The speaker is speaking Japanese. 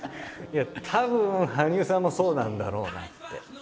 たぶん羽生さんもそうなんだろうなって。